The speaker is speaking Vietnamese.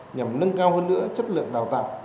nhằm nâng cao hơn nữa chất lượng đào tạo